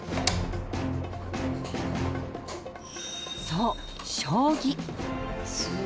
そう将棋。